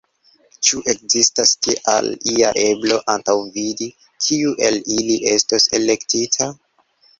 Ĉu ekzistas tial ia eblo antaŭvidi, kiu el ili estos elektita?